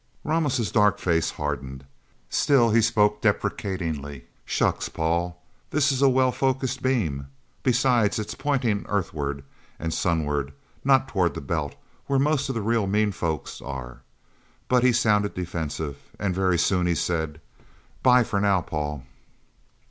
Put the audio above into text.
Ramos' dark face hardened. Still he spoke depreciatingly. "Shucks, Paul, this is a well focused beam. Besides it's pointing Earthward and sunward; not toward the Belt, where most of the real mean folks are..." But he sounded defensive, and very soon he said, "'Bye for now, Paul."